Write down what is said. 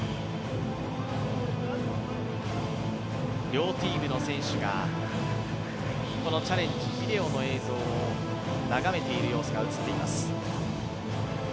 両チームの選手がこのチャレンジ、ビデオの映像を眺めている様子が映っています。